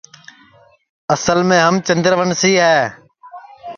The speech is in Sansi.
اصل میں ہم چندروسی ہے